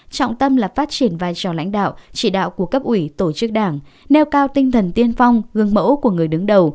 trọng tâm là phát triển vai trò lãnh đạo chỉ đạo của cấp ủy tổ chức đảng nêu cao tinh thần tiên phong gương mẫu của người đứng đầu